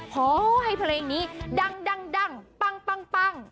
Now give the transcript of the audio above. ขอให้เพลงนี้ดังปัง